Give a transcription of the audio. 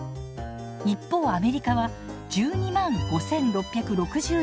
一方アメリカは１２５，６６４円。